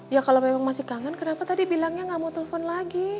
ya kalau memang masih kangen kenapa tadi bilangnya nggak mau telepon lagi